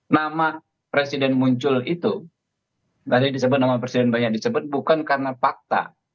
nama presiden muncul itu tadi disebut nama presiden banyak disebut bukan karena fakta